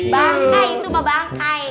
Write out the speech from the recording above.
bangkai itu mah bangkai